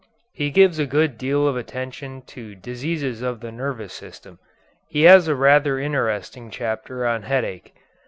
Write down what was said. He gives a good deal of attention to diseases of the nervous system. He has a rather interesting chapter on headache.